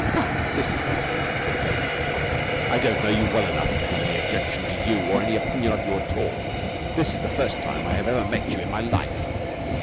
"Come, this is better!" said Sam. "I don't know you well enough to have any objection to you or any opinion of you at all. This is the first time I have ever met you in my life."